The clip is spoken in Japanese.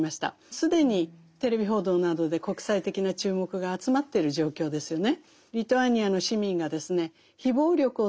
既にテレビ報道などで国際的な注目が集まってる状況ですよね。